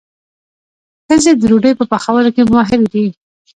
ښځې د ډوډۍ په پخولو کې ماهرې دي.